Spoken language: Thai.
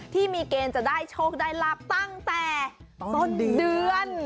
ที่มีเกณฑ์จะได้โชคได้ลาบตั้งแต่ต้นเดือน